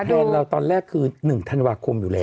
โดนเราตอนแรกคือ๑ธันวาคมอยู่แล้ว